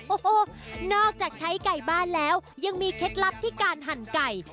โอ้โหนอกจากใช้ไก่บ้านแล้วยังมีเคล็ดลับที่การหั่นไก่